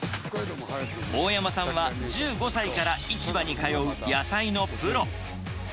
大山さんは、１５歳から市場に通う野菜のプロ。